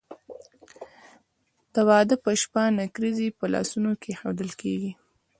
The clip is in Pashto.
د واده په شپه نکریزې په لاسونو کیښودل کیږي.